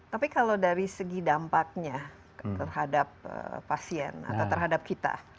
tapi kalau dari segi dampaknya terhadap pasien atau terhadap kita